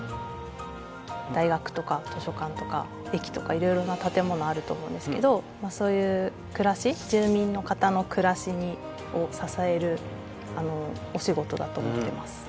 大学とか図書館とか駅とかいろいろな建物あると思うんですけどそういう暮らし住民の方の暮らしを支えるお仕事だと思ってます。